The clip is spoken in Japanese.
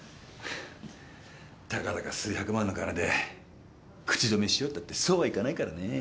たかだか数百万の金で口止めしようったってそうはいかないからね。